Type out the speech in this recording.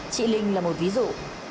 chị linh là một ví dụ